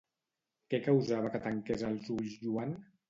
Què causava que tanqués els ulls Joan?